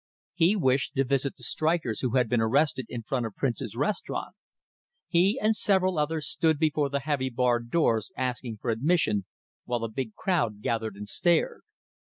He wished to visit the strikers who had been arrested in front of Prince's restaurant. He and several others stood before the heavy barred doors asking for admission, while a big crowd gathered and stared.